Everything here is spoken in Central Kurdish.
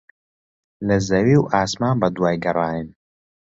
لە زەوی و ئاسمان بەدوای گەڕاین.